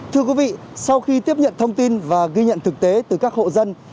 thưa quý vị sau khi tiếp nhận thông tin và ghi nhận thực tế từ các hộ dân